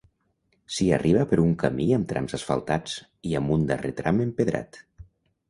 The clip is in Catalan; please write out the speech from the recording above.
S'hi arriba per un camí amb trams asfaltats i amb un darrer tram empedrat.